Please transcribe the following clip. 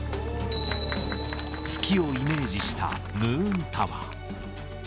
月をイメージしたムーンタワー。